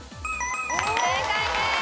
正解です。